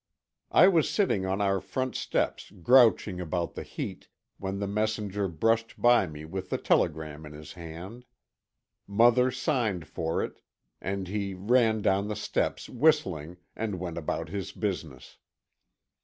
I was sitting on our front steps grouching about the heat when the messenger brushed by me with the telegram in his hand. Mother signed for it, and he ran down the steps whistling, and went about his business.